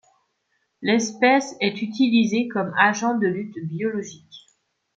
L'espèce est utilisée comme agent de lutte biologique.